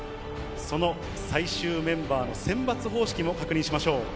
その最終メンバーの選抜方式を確認しましょう。